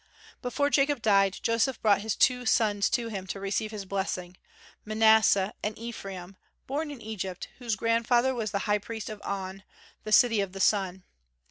Before Jacob died, Joseph brought his two sons to him to receive his blessing, Manasseh and Ephraim, born in Egypt, whose grandfather was the high priest of On, the city of the sun.